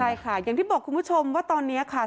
ใช่ค่ะอย่างที่บอกคุณผู้ชมว่าตอนนี้ค่ะ